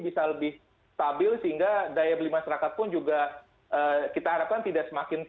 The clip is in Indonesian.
bisa lebih stabil sehingga daya beli masyarakat pun juga kita harapkan tidak semakin